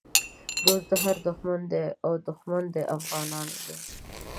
دوست د هر دښمن دی او دښمن د افغانانو دی